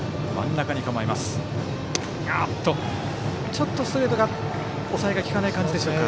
ちょっとストレートが抑えが利かない感じでしょうか。